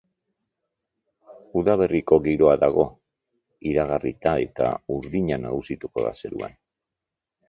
Udaberriko giroa dago iragarrita, eta urdina nagusituko da zeruan.